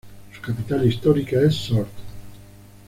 Su capital histórica es Sort.